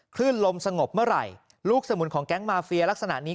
คลื่นลมสงบเมื่อไหร่ลูกสมุนของแก๊งมาเฟียลักษณะนี้